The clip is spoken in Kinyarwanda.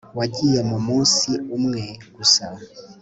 wagiye mu munsi umwe gusa